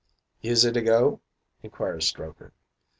"'Is it a go?' inquires Strokher.